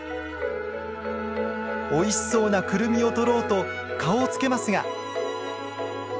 おいしそうなクルミを取ろうと顔をつけますが。